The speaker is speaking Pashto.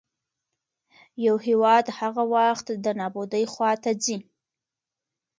يـو هـيواد هـغه وخـت د نـابـودۍ خـواتـه ځـي